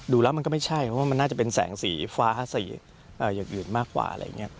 ดูแล้วมันก็ไม่ใช่เพราะว่ามันน่าจะเป็นแสงสีฟ้าสีอย่างอื่นมากกว่าอะไรอย่างนี้